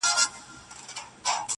د کرونا ویري نړۍ اخیستې،